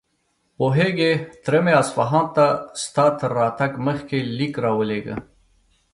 پوهېږې، تره مې اصفهان ته ستا تر راتګ مخکې ليک راولېږه.